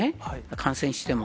感染しても。